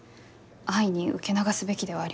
安易に受け流すべきではありません。